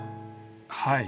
はい。